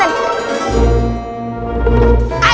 aduh aduh aduh